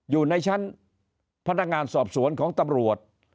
อยู่ในชั้นพนักงานสอบสวนของตำรวจ